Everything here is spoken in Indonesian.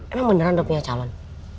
emang beneran udah punya calon